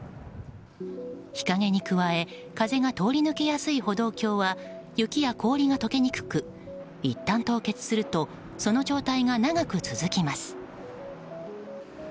日陰に加え風が通り抜けやすい歩道橋は雪や氷が解けにくくいったん凍結するとその状態が長く続きます。